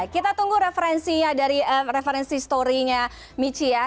kita tunggu referensinya dari referensi storynya michi ya